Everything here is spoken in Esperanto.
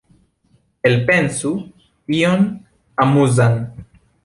Elpensu ion amuzan.